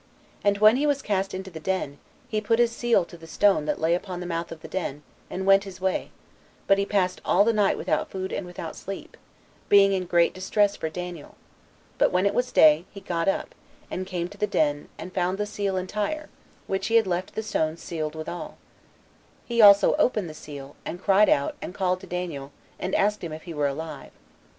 And when he was cast into the den, he put his seal to the stone that lay upon the mouth of the den, and went his way, but he passed all the night without food and without sleep, being in great distress for Daniel; but when it was day, he got up, and came to the den, and found the seal entire, which he had left the stone sealed withal; he also opened the seal, and cried out, and called to Daniel, and asked him if he were alive.